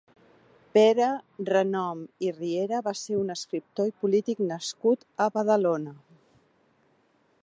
Pere Renom i Riera va ser un escriptor i polític nascut a Badalona.